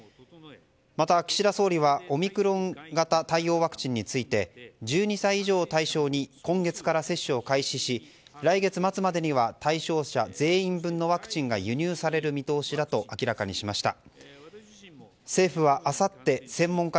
また、岸田総理はオミクロン型対応ワクチンについて１２歳以上を対象に今月から接種を開始し来月末までには対象者全員分のワクチンが輸入される見通しだと明らかにしました。